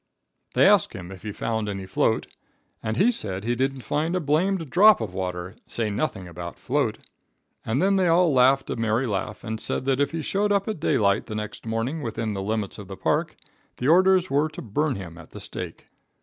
They asked him if he found any float, and he said he didn't find a blamed drop of water, say nothing about float, and then they all laughed a merry laugh, and said that if he showed up at daylight the next morning within the limits of the park, the orders were to burn him at the stake.